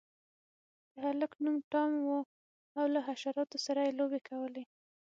د هلک نوم ټام و او له حشراتو سره یې لوبې کولې.